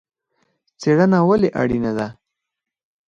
څیړنه ولې اړینه ده؟